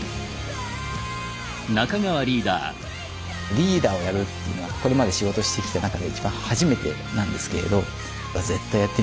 リーダーをやるっていうのはこれまで仕事してきた中で一番初めてなんですけれど絶対やってみたいなと思って。